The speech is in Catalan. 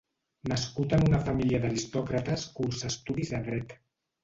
Nascut en una família d'aristòcrates cursa estudis de Dret.